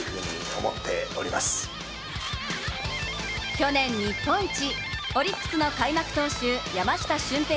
去年日本一、オリックスの開幕投手、山下舜平